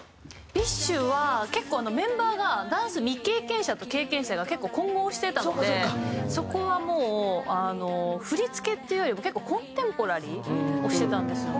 ＢｉＳＨは結構メンバーがダンス未経験者と経験者が結構混合してたのでそこはもう振付っていうよりも結構コンテンポラリーをしてたんですよね。